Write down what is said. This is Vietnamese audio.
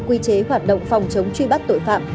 quy chế hoạt động phòng chống truy bắt tội phạm